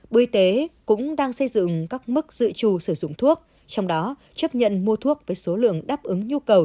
bộ y tế cũng đang xây dựng các mức dự trù sử dụng thuốc trong đó chấp nhận mua thuốc với số lượng đáp ứng nhu cầu